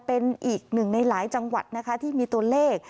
เป็นอีกหนึ่งในหลายจังหวัดนะคะที่มีตัวเลข